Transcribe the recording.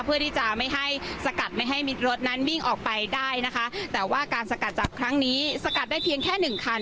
เพื่อที่จะไม่ให้สกัดไม่ให้มิดรถนั้นวิ่งออกไปได้นะคะแต่ว่าการสกัดจับครั้งนี้สกัดได้เพียงแค่หนึ่งคัน